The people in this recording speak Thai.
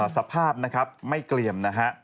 สภาพนะครับไม่เกลี่ยมนะฮะ